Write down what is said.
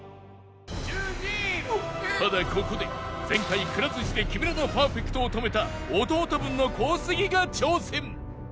ただここで前回くら寿司で木村のパーフェクトを止めた弟分の小杉が挑戦